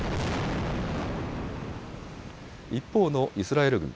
一方のイスラエル軍。